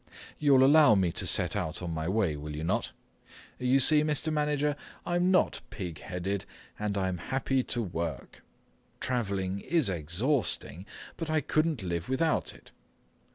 You'll allow me to set out on my way, will you not? You see, Mr. Manager, I am not pig headed, and I am happy to work. Travelling is exhausting, but I couldn't live without it.